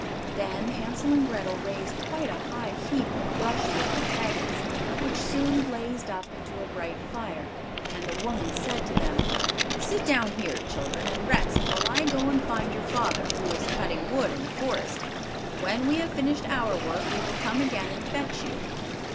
Then Hansel and Grethel raised quite a high heap of brushwood and faggots, which soon blazed up into a bright fire, and the woman said to them: "Sit down here, children, and rest, while I go and find your father, who is cutting wood in the forest; when we have finished our work, we will come again and fetch you."